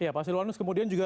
ya pak silwanus